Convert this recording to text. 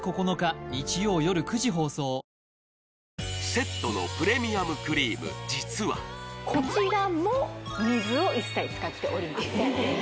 セットのプレミアムクリーム実はこちらも水を一切使っておりません